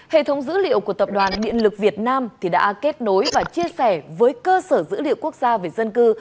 hệ thống dữ liệu của tập đoàn điện lực việt nam đã kết nối và chia sẻ với cơ sở dữ liệu quốc gia về dân cư